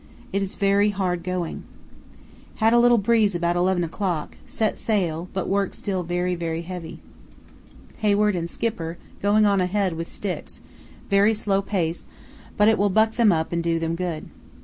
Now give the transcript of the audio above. It is very hard going. Had a little breeze about 11 o'clock, set sail, but work still very, very heavy. Hayward and Skipper going on ahead with sticks, very slow pace, but it will buck them up and do them good.